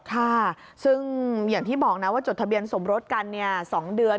ค่ะซึ่งอย่างที่บอกนะว่าจดทะเบียนสมรสกัน๒เดือน